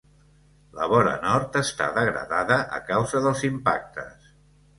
La vora nord està degradada a causa dels impactes.